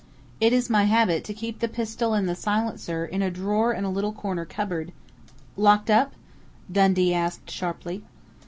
It is my habit to keep the pistol and the silencer in a drawer in a little corner cupboard " "Locked, up?" Dundee asked sharply.